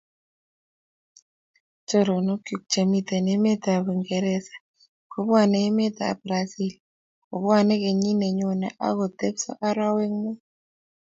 Choronokchu chemiten emetab Uingereza kobwane emetab Brazil kobwane kenyit nenyone agotepsot arawek muut